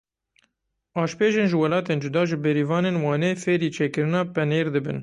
Aşpêjên ji welatên cuda ji bêrîvanên Wanê fêrî çêkirina penêr dibin.